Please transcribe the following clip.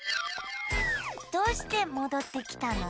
どうしてもどってきたの？